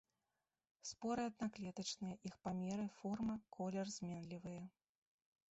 Споры аднаклетачныя, іх памеры, форма, колер зменлівыя.